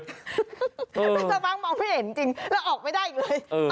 สมัครมองไม่เห็นจริงแล้วออกไม่ได้อีกเลย